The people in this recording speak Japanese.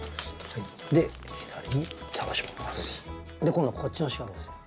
今度はこっちの四角をですね